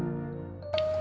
makan makan makan